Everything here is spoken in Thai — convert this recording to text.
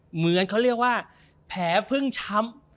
เหมือนเขาเรียกว่าแผลพึ่งช้ำ